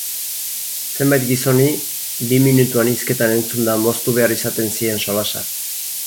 Zenbait gizoni, bi minutuan hizketan entzunda moztu behar izaten zien solasa.